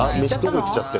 外行っちゃった？